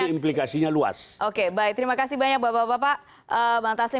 terima kasih banyak